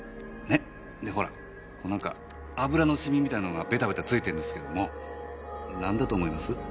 でほら何か油のシミみたいなのがベタベタついてるんですけども何だと思います？